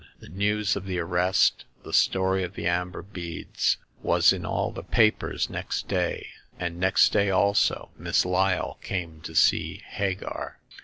The news of the arrest, the story of the amber beads, was in all the papers next day ; and next day, also, Miss Lyle came to see Hagar.